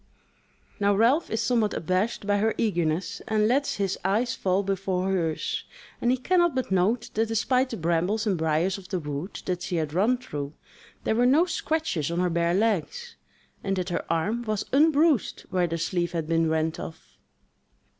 Now Ralph is somewhat abashed by her eagerness, and lets his eyes fall before hers; and he cannot but note that despite the brambles and briars of the wood that she had run through, there were no scratches on her bare legs, and that her arm was unbruised where the sleeve had been rent off.